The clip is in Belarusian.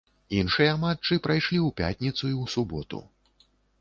Іншыя матчы прайшлі ў пятніцу і ў суботу.